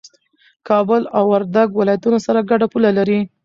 کابل او وردګ ولايتونه سره ګډه پوله لري